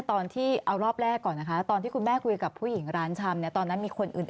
ตอนนั้นคุณมารตีอยู่จริงมั้ย